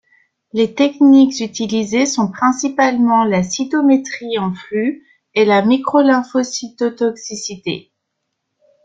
Les techniques utilisées sont principalement la cytométrie en flux et la microlymphocytotoxicité.